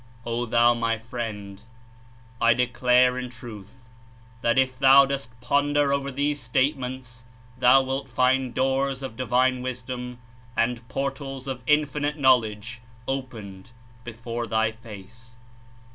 ^'O thou, my friend : I declare in Truth that if thou dost ponder over these statements thou wilt find doors of Divine Wisdom and portals of Infinite Knozviedge opened before thy face!